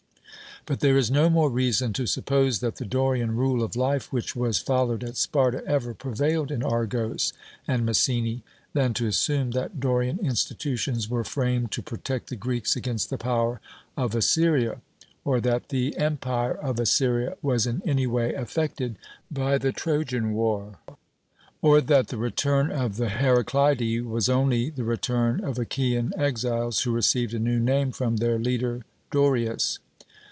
But there is no more reason to suppose that the Dorian rule of life which was followed at Sparta ever prevailed in Argos and Messene, than to assume that Dorian institutions were framed to protect the Greeks against the power of Assyria; or that the empire of Assyria was in any way affected by the Trojan war; or that the return of the Heraclidae was only the return of Achaean exiles, who received a new name from their leader Dorieus.